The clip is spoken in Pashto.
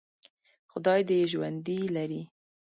خدای دې یې ژوندي لري.